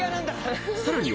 ［さらには］